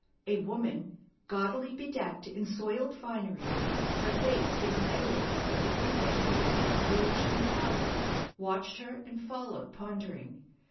A woman, gaudily bedecked in soiled finery, her face giving evidence of the frequent use of rouge and powder, watched her, and followed, pondering.